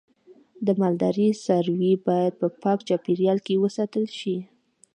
د مالدارۍ څاروی باید په پاک چاپیریال کې وساتل شي.